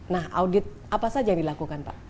nah audit apa saja yang dilakukan pak